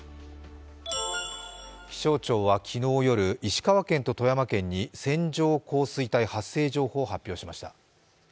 気象庁は昨日夜、石川県と富山県に線状降水帯発生情報を発表しました。